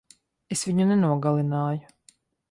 Es viņu nenogalināju.